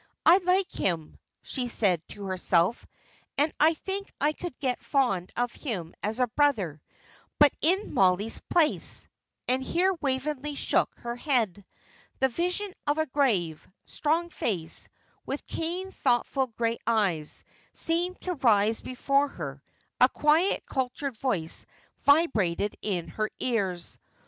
"I like him," she said to herself, "and I think I could get fond of him as a brother; but in Mollie's place" and here Waveney shook her head. The vision of a grave, strong face, with keen, thoughtful grey eyes, seemed to rise before her; a quiet, cultured voice vibrated in her ears.